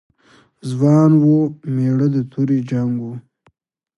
ځوان و، مېړه د تورې جنګ و.